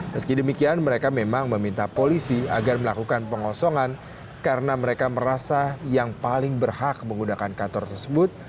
meski demikian mereka memang meminta polisi agar melakukan pengosongan karena mereka merasa yang paling berhak menggunakan kantor tersebut